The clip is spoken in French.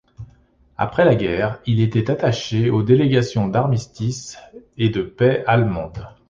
Après la guerre, il était attaché aux délégations d'armistice et de paix allemandes.